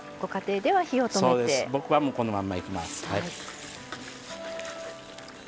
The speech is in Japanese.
僕は、このままいきます。